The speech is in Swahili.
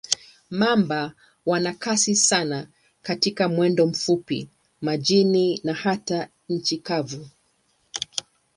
Mamba wana kasi sana katika mwendo mfupi, majini na hata nchi kavu.